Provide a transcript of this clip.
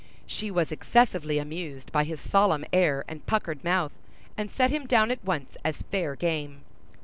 She was excessively amused by his solemn air and puckered mouth, and set him down at once as fair game.